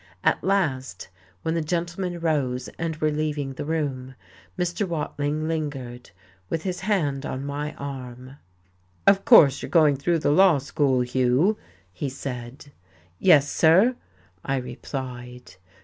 At last when the gentlemen rose and were leaving the room, Mr. Watling lingered, with his hand on my arm. "Of course you're going through the Law School, Hugh," he said. "Yes, sir," I replied.